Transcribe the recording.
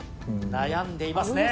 悩んでいますね。